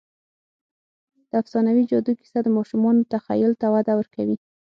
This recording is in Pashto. د افسانوي جادو کیسه د ماشومانو تخیل ته وده ورکوي.